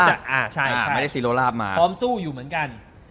พร้อมสู้อยู่เหมือนกัน